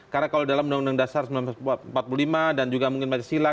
karena kalau dalam undang undang dasar seribu sembilan ratus empat puluh lima dan juga mungkin pancasila